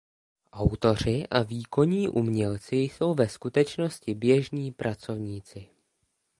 Autoři a výkonní umělci jsou ve skutečnosti běžní pracovníci.